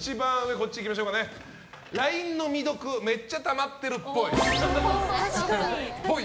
まずはＬＩＮＥの未読めっちゃたまってるっぽい。